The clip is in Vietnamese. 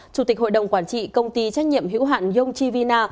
chủ tịch hội đồng quản trị công ty trách nhiệm hữu hạn yongchivina